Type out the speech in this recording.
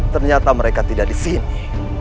ternyata mereka tidak di sini